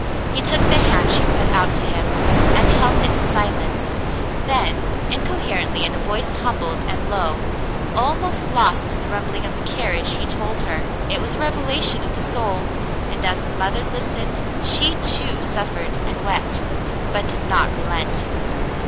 He took the hand she put out to him, and held it in silence ; then, inco herently, in a voice humbled and low, — almost lost in the rumbling of the carriage, — he told her. It was a revelation of the soul, and as the mother listened she too suffered and wept, but did not relent.